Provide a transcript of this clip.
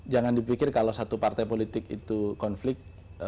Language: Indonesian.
jangan dipikir kalau satu partai politik itu konflik